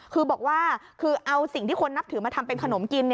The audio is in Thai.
คือบอกว่าคือเอาสิ่งที่คนนับถือมาทำเป็นขนมกิน